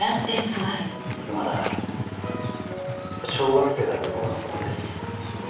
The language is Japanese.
まだ小学生だった頃のことです。